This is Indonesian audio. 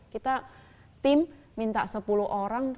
kita tim minta sepuluh orang